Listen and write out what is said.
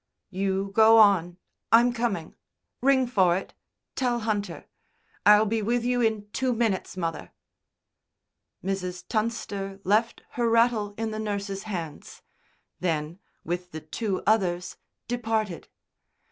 "You go on. I'm coming. Ring for it. Tell Hunter. I'll be with you in two minutes, mother." Mrs. Tunster left her rattle in the nurse's hands. Then, with the two others, departed.